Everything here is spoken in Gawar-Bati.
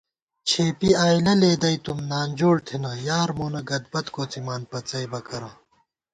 چھېپی آئیلَہ لېدَئیتُم، نانجوڑ تھنہ، یار مونہ گدبت کوڅِمان پڅئیبہ کرہ